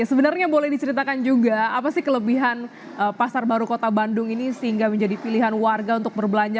sebenarnya boleh diceritakan juga apa sih kelebihan pasar baru kota bandung ini sehingga menjadi pilihan warga untuk berbelanja